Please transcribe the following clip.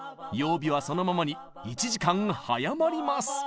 曜日はそのままに１時間早まります！